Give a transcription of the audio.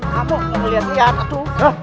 kamu yang melihat lihat atu